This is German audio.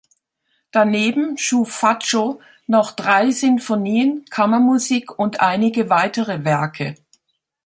Daneben schuf Faccio noch drei Sinfonien, Kammermusik und einige weitere Werke.